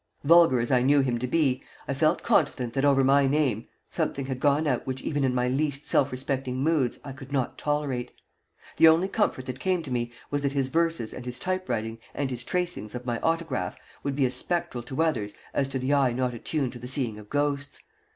Vulgar as I knew him to be, I felt confident that over my name something had gone out which even in my least self respecting moods I could not tolerate. The only comfort that came to me was that his verses and his type writing and his tracings of my autograph would be as spectral to others as to the eye not attuned to the seeing of ghosts.